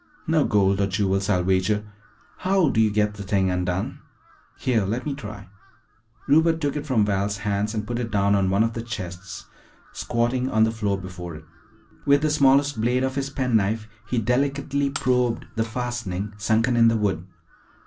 "No gold or jewels, I'll wager. How do you get the thing undone?" "Here, let me try." Rupert took it from Val's hands and put it down on one of the chests, squatting on the floor before it. With the smallest blade of his penknife he delicately probed the fastening sunken in the wood.